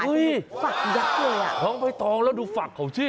ฝักยักษ์เลยอ่ะน้องใบตองแล้วดูฝักเขาชื่อ